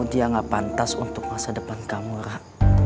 dia gak pantas untuk masa depan kamu rak